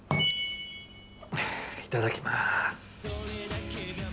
いただきます。